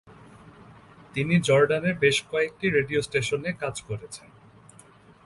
তিনি জর্ডানের বেশ কয়েকটি রেডিও স্টেশনে কাজ করেছেন।